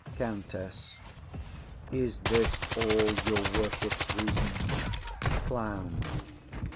COUNTESS. Is this all your worship's reason? CLOWN.